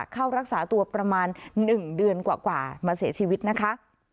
เข้ารักษาตัวประมาณ๑เดือนกว่ามาเสียชีวิตนะคะ